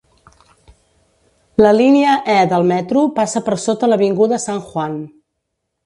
La línia E del metro passa per sota l'avinguda San Juan.